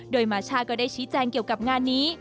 โดยมาช่าก็ได้ชี้แจงเกี่ยวกับงานนี้